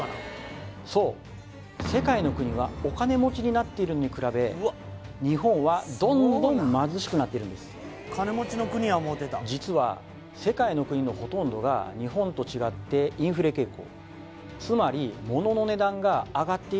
そう世界の国はお金持ちになっているのに比べ日本はどんどん貧しくなっているんです実は世界の国のほとんどが日本と違ってインフレ傾向